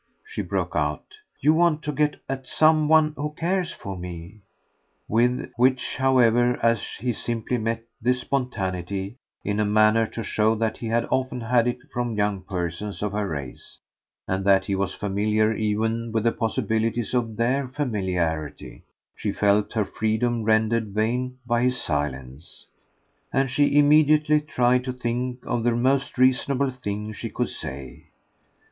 she broke out. "You want to get at some one who cares for me." With which, however, as he simply met this spontaneity in a manner to show that he had often had it from young persons of her race, and that he was familiar even with the possibilities of THEIR familiarity, she felt her freedom rendered vain by his silence, and she immediately tried to think of the most reasonable thing she could say.